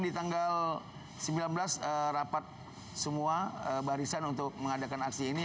di tanggal sembilan belas rapat semua barisan untuk mengadakan aksi ini